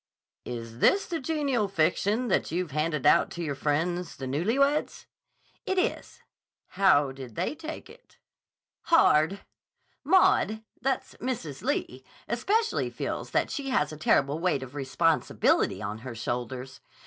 "Is this the genial fiction that you've handed out to your friends, the newly weds?" "It is." "How did they take it?" "Hard. Maud—that's Mrs. Lee—especially feels that she has a terrible weight of responsibility on her shoulders.